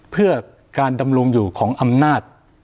เพื่อการดำรงอยู่ของอำนาจ